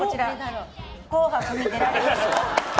「紅白」に出られますように。